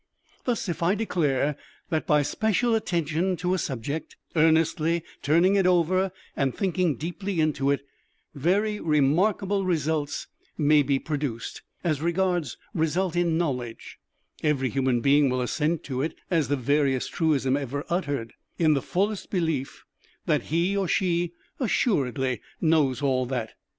Thus, if I declare that by special attention to a subject, earnestly turning it over and thinking deeply into it, very remarkable results may be produced, as regards result in knowledge, every human being will assent to it as the veriest truism ever uttered; in the fullest belief that he or she assuredly knows all that.